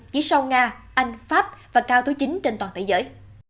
chỉ sau nga anh pháp và cao thứ chín trên toàn thế giới